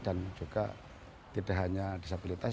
dan juga tidak hanya disabilitas